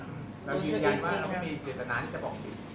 เรายืนยันว่าเราไม่มีเจตนาที่จะบอกผิด